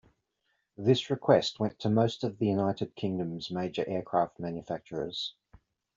This request went to most of the United Kingdom's major aircraft manufacturers.